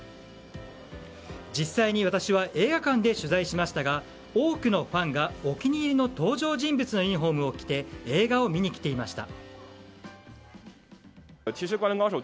実際に私は映画館で取材しましたが多くのファンが、お気に入りの登場人物のユニホームを着て映画を見に来ていました。